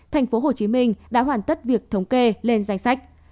tp hcm đã hoàn tất việc thống kê lên danh sách